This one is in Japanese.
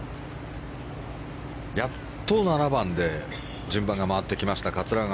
やっと７番で順番が回ってきました桂川。